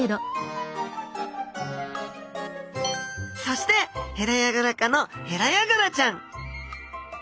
そしてヘラヤガラ科のヘラヤガラちゃん。